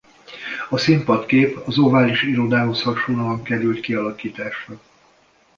A színpadkép az Ovális Irodához hasonlóan került kialakításra.